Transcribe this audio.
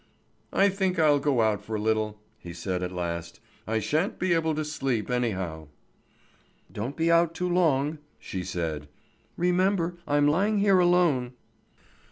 "I think I'll go out for a little," he said at last. "I shan't be able to sleep anyhow." "Don't be out too long!" she said. "Remember I'm lying here alone."